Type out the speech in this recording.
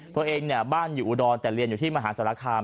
ตัวเองเนี่ยบ้านอยู่อุดรแต่เรียนอยู่ที่มหาศาลคาม